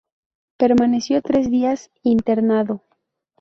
Permaneció tres días internado.